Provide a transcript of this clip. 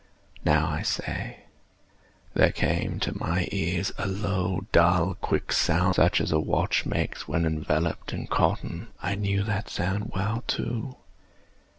—now, I say, there came to my ears a low, dull, quick sound, such as a watch makes when enveloped in cotton. I knew that sound well, too.